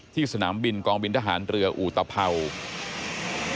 สนามบินกองบินทหารเรืออุตภัวร์